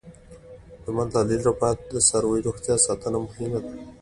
د مالدارۍ لپاره د څارویو روغتیا ساتنه مهمه ده.